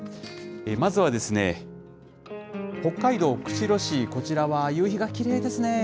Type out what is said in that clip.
まずは北海道釧路市、こちらは、夕日がきれいですね。